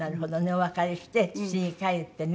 お別れして「土に還ってね」